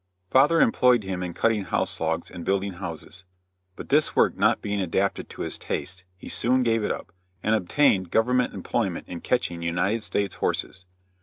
Father employed him in cutting house logs and building houses, but this work not being adapted to his tastes, he soon gave it up, and obtained government employment in catching United States horses.